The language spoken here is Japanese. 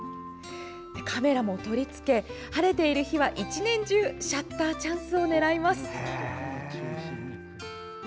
カメラも取り付け晴れている日は、１年中シャッターチャンスを狙います。